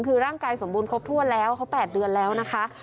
คือร่างกายสมบูครบถ้วนแล้วเขา๘เดือนแล้วนะคะ